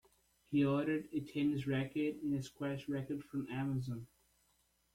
He ordered a tennis racket and a squash racket from Amazon.